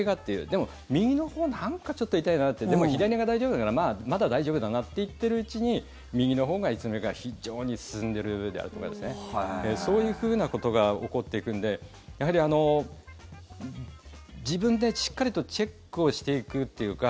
でも、右のほうなんかちょっと痛いなでも、左が大丈夫だからまだ大丈夫だなって言ってるうちに右のほうがいつの間にか非常に進んでいるであるとかそういうふうなことが起こっていくんでやはり自分でしっかりとチェックをしていくというか